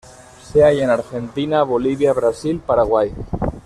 Se halla en Argentina, Bolivia, Brasil, Paraguay.